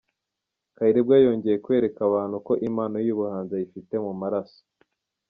Kayirebwa yongeye kwereka abantu ko impano y’ubuhanzi ayifite mu maraso.